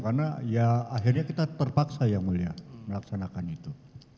karena ya akhirnya kita terpaksa yang mulia melaksanakan itu